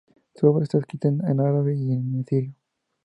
Su obra está escrita en árabe y en sirio.